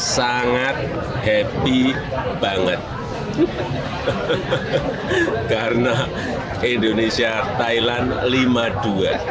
sangat happy banget karena indonesia thailand lima dua